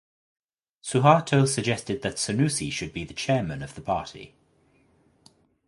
Suharto suggested that Sanusi should be the chairman of the party.